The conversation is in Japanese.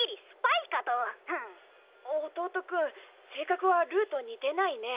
弟君性格はルーと似てないね。